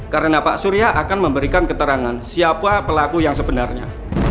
karena pak surya akan memberikan keterangan siapa pelaku yang sebenarnya